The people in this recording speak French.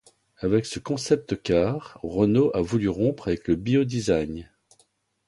Avec ce concept car Renault a voulu rompre avec le bio-design.